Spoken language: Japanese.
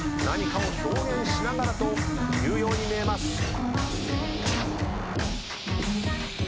何かを表現しながらというように見えます。